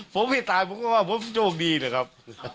ผมไม่ตายผมก็ว่าผมโชคดีนะครับ